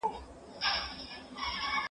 که وخت وي، د کتابتون کتابونه لوستل کوم!؟